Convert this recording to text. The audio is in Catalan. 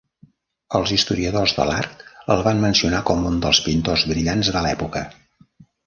Els historiadors de l'art el van mencionar com un dels pintors brillants de l'època.